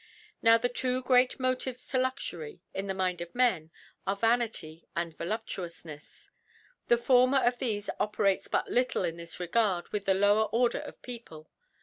Now the two great Motiires to Luxury, in the Mind of Man, are Vanity and Voluptuoufneis. The foriper of thefe operates but little in this Regard with the lower Order of People.